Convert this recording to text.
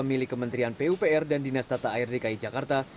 milik kementerian pupr dan dinas tata air dki jakarta